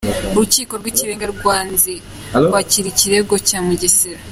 Urukiko rw’Ikirenga rwanze kwakira ikirego cya Mugesera